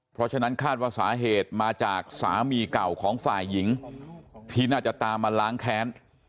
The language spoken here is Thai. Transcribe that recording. เพราะฉะนั้นคาดว่าสาเหตุมาจากสามีเก่าของฝ่ายหญิงที่น่าจะตามมาล้างแค้น